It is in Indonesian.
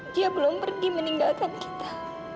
dia belum pergi meninggalkan kita